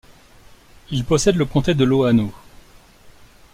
Il possède le comté de Loano.